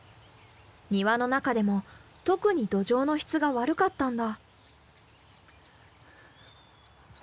庭の中でも特に土壌の質が悪かったんだ。